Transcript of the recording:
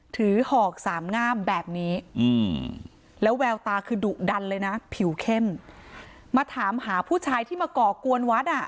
หอกสามงามแบบนี้แล้วแววตาคือดุดันเลยนะผิวเข้มมาถามหาผู้ชายที่มาก่อกวนวัดอ่ะ